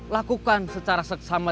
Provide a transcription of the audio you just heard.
lakukan secara seksama